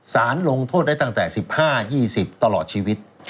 สารลงโทษได้ตั้งแต่๑๕๒๐ตลอดชีวิต